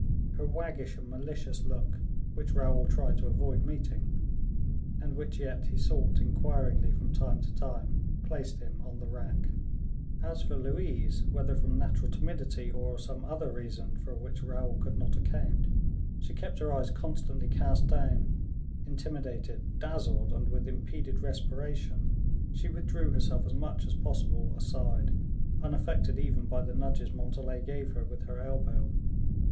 Her waggish and malicious look, which Raoul tried to avoid meeting, and which yet he sought inquiringly from time to time, placed him on the rack. As for Louise, whether from natural timidity, or some other reason for which Raoul could not account, she kept her eyes constantly cast down; intimidated, dazzled, and with impeded respiration, she withdrew herself as much as possible aside, unaffected even by the nudges Montalais gave her with her elbow.